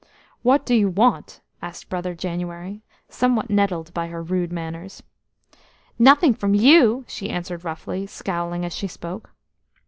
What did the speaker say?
"What do you want?" asked Brother January, somewhat nettled by her rude manners. "Nothing from you!" she answered roughly, scowling as she spoke.